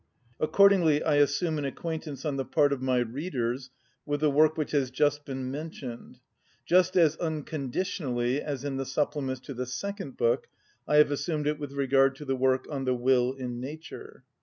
Accordingly I assume an acquaintance on the part of my readers with the work which has just been mentioned, just as unconditionally as in the supplements to the second book I have assumed it with regard to the work "On the Will in Nature."